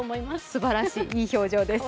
すばらしい、いい表情です。